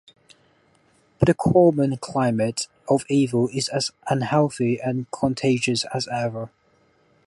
But the Corman climate of evil is as unhealthy and contagious as ever.